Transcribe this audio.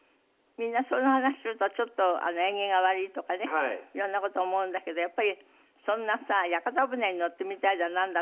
みんなその話するとちょっと縁起が悪いとかね色んな事思うんだけどやっぱりそんなさ屋形船に乗ってみたいだなんだって